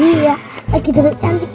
iya lagi terlalu cantik